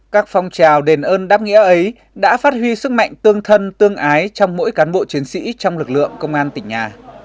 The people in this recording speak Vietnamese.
các phong trào đền ơn đáp nghĩa ấy đã phát huy sức mạnh tương thân tương ái trong mỗi cán bộ chiến sĩ trong lực lượng công an tỉnh nhà